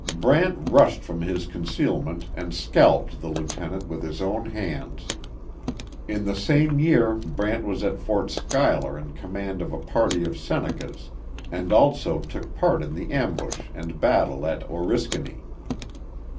Brant rushed from his concealment and scalped the lieutenant with his own hands. In the same year Brant was at Fort Schuyler in command of a party of Senecas, and also took part in the ambush and battle at Oriskany.